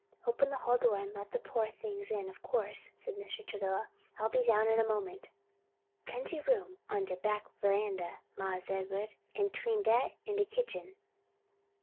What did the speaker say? Open the hall door and let the poor things in, of course," said Mr. Travilla, "and I'll be down in a moment." "Plenty room on de back veranda, Mars Ed'ard, an' 'tween dat an' de kitchen."